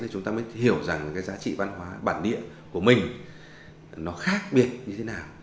chúng ta mới hiểu rằng cái giá trị văn hóa bản địa của mình nó khác biệt như thế nào